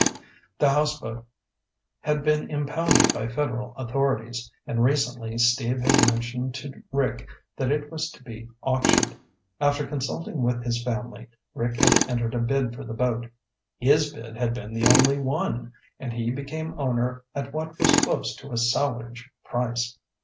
The houseboat had been impounded by Federal authorities, and recently Steve had mentioned to Rick that it was to be auctioned. After consulting with his family, Rick had entered a bid for the boat. His bid had been the only one, and he became owner at what was close to a salvage price.